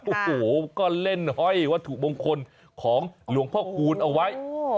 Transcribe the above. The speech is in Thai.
โอ้โหก็เล่นห้อยวัตถุมงคลของหลวงพ่อคูณเอาไว้